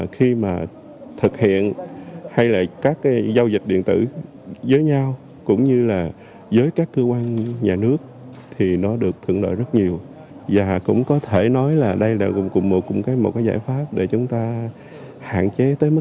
không dùng giấy tờ